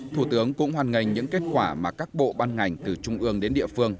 thủ tướng cũng hoàn ngành những kết quả mà các bộ ban ngành từ trung ương đến địa phương